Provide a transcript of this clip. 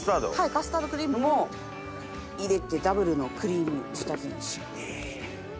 カスタードクリームも入れてダブルのクリーム仕立てにします。